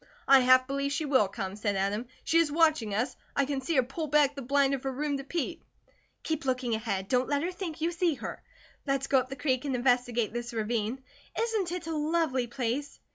"I half believe she will come," said Adam. "She is watching us; I can see her pull back the blind of her room to peep." "Keep looking ahead. Don't let her think you see her. Let's go up the creek and investigate this ravine. Isn't it a lovely place?"